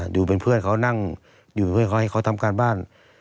อยู่เป็นเพื่อนเขาให้ทำการบ้าน